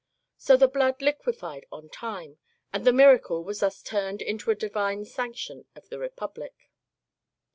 So the blood liquefied on time, and the miracle was thus turned into a divine sanction of the Be public.